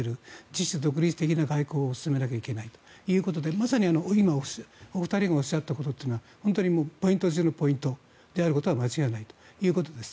自主独立的な外交を進めなきゃいけないということでまさに今、お二人がおっしゃったことというのは本当にポイント中のポイントであることは間違いないということです。